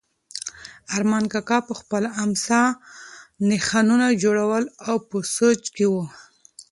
ارمان کاکا په خپله امسا نښانونه جوړول او په سوچ کې و.